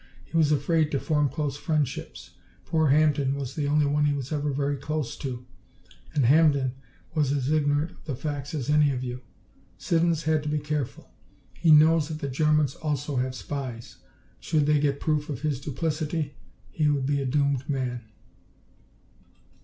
He was afraid to form close friendships. Poor Hampden was the only one he was ever very close to, and Hampden was as ignorant of the facts as any of you. Siddons had to be careful. He knows that the Germans also have spies. Should they get proof of his duplicity, he would be a doomed man."